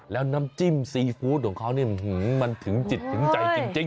แล้วน้ำจิ้มซีฟู้ดของเขานี่มันถึงจิตถึงใจจริง